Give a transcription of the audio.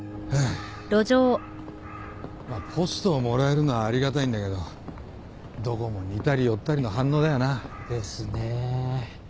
まあポストをもらえるのはありがたいんだけどどこも似たり寄ったりの反応だよな。ですね。